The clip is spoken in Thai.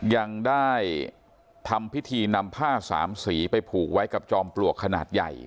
ยังได้ทำพิธีนำผ้าสามสีไปผูกไว้กับจอมปลวกขนาดใหญ่